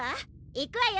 いくわよ！